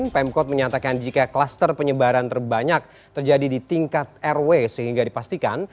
pemkot menyatakan jika kluster penyebaran terbanyak terjadi di tingkat rw sehingga dipastikan